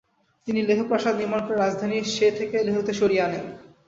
তিনি লেহ প্রাসাদ নির্মাণ করে রাজধানী শে থেকে লেহতে সরিয়ে আনেন।